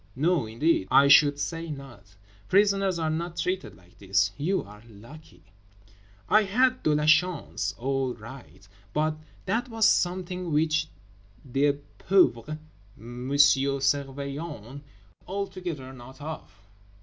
No indeed, I should say not. Prisoners are not treated like this. You are lucky." I had de la chance all right, but that was something which the pauvre M. Surveillant wot altogether not of.